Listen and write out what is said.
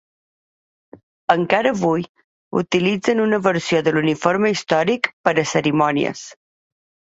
Encara avui utilitzen una versió de l'uniforme històric per a cerimònies.